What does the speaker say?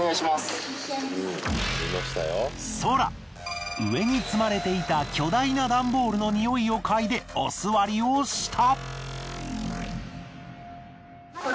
ソラ上に積まれていた巨大な段ボールのにおいを嗅いでおすわりをした。